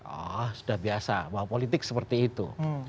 ah sudah biasa bahwa politik seperti itu